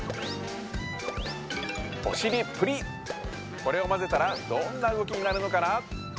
これをまぜたらどんな動きになるのかな？